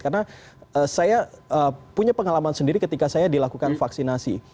karena saya punya pengalaman sendiri ketika saya dilakukan vaksinasi